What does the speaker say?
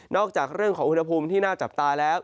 จากเรื่องของอุณหภูมิที่น่าจับตาแล้ว